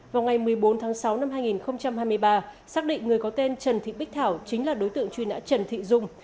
vào ngày một mươi bốn tháng sáu năm hai nghìn hai mươi ba xác định người có tên trần thị bích thảo chính là đối tượng truy nã trần thị dung